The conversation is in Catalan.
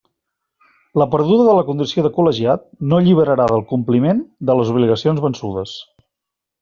La perduda de la condició de col·legiat no alliberarà del compliment de les obligacions vençudes.